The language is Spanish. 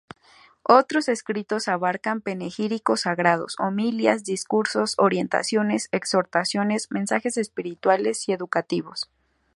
Otros escritos abarcan: panegíricos sagrados, homilías, discursos, orientaciones, exhortaciones, mensajes espirituales y educativos.